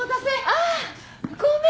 あっごめん。